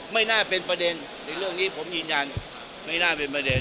ไม่น่าเป็นประเด็นในเรื่องนี้ผมยืนยันไม่น่าเป็นประเด็น